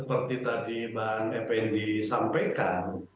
yang tadi mbak mpn disampaikan